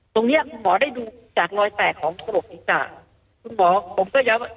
ตรงนี้คุณหมอได้ดูจากรอยแสดของโรคศีรษะ